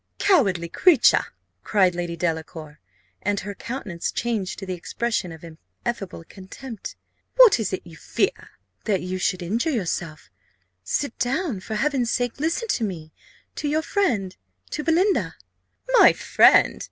"Cowardly creature!" cried Lady Delacour, and her countenance changed to the expression of ineffable contempt; "what is it you fear?" "That you should injure yourself. Sit down for Heaven's sake listen to me, to your friend, to Belinda!" "My friend!